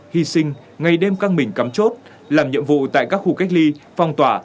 hy sinh ngày đêm căng mình cắm chốt làm nhiệm vụ tại các khu cách ly phong tỏa